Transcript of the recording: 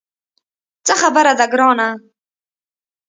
څه خبره ده ګرانه.